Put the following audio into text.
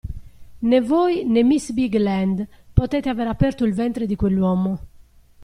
Né voi né miss Bigland potete avere aperto il ventre di quell'uomo.